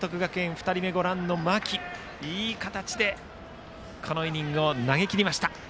２人目の間木はいい形でこのイニングを投げきりました。